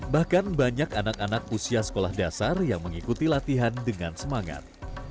bahkan banyak anak anak usia sekolah dasar yang mengikuti latihan dengan semangat